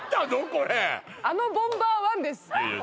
これあの「ボンバーワン」です